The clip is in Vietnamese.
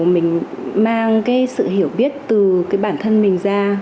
mình mang sự hiểu biết từ bản thân mình ra